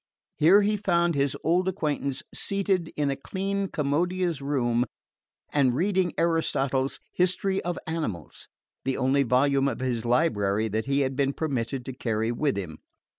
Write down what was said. Here he found his old acquaintance seated in a clean commodious room and reading Aristotle's "History of Animals," the only volume of his library that he had been permitted to carry with him.